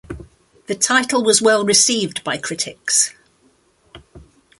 The title was well received by critics.